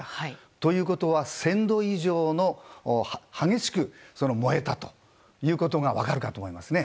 ということは、１０００度以上で燃えたということが分かるかと思います。